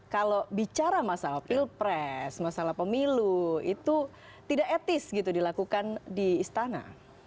kalau bicara masalah pilpres masalah pemilu itu tidak etis gitu dilakukan di istana